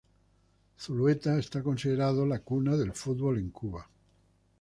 Zulueta es considerada la cuna del fútbol en Cuba.